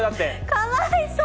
かわいそう。